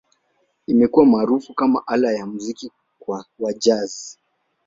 Imekuwa maarufu kama ala ya muziki wa Jazz.